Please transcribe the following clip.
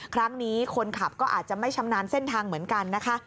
ครั้งนี้คนขับก็อาจจะไม่ชำนาญเส้นทางเหมือนกันนะคะ